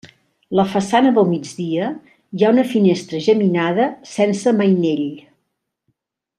La façana del migdia hi ha una finestra geminada sense mainell.